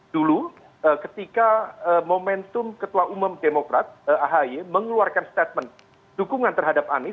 dulu ketika momentum ketua umum demokrat ahi mengeluarkan statement dukungan terhadap anies